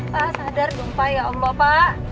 pak sadar dong pak ya allah pak